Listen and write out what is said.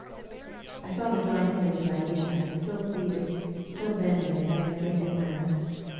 I saw the dark image of Ayesha still seated, still bend ing, as I had seen it last.